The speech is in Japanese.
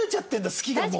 「好き」がもう。